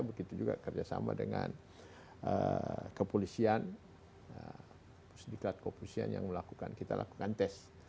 begitu juga kerjasama dengan kepolisian pusdikat kopusian yang melakukan kita lakukan tes